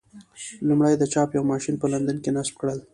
لومړی د چاپ یو ماشین په لندن کې نصب کړل.